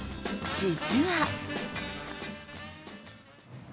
実は。